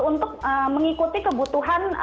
untuk mengikuti kebutuhan